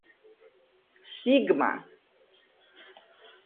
სიგმა